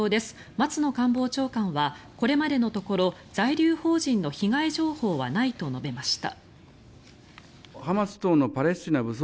松野官房長官はこれまでのところ在留邦人の被害情報はないと述べました。